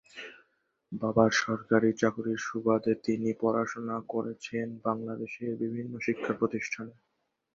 বাবার সরকারি চাকরির সুবাদে তিনি পড়াশোনা করেছেন বাংলাদেশের বিভিন্ন শিক্ষা প্রতিষ্ঠানে।